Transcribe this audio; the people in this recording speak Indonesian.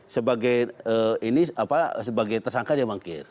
sebagai ini apa sebagai tersangka dia mangkir